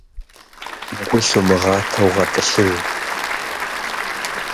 Гу лъумыгъатэу гъэтӏылъыж.